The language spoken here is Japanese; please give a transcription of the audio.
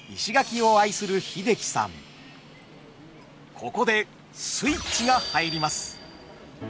ここでスイッチが入ります。